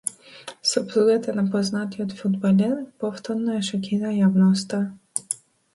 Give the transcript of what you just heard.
Сопругата на познатиот фудбалер повторно ја шокира јавноста